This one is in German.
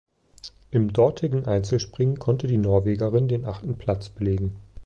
Im dortigen Einzelspringen konnte die Norwegerin den achten Platz belegen.